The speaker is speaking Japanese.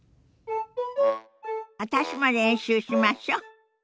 私も練習しましょ。